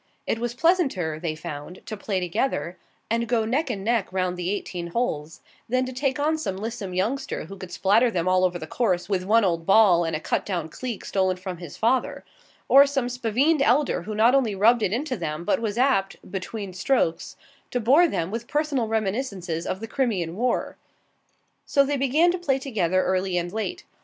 It was pleasanter, they found, to play together, and go neck and neck round the eighteen holes, than to take on some lissome youngster who could spatter them all over the course with one old ball and a cut down cleek stolen from his father; or some spavined elder who not only rubbed it into them, but was apt, between strokes, to bore them with personal reminiscences of the Crimean War. So they began to play together early and late.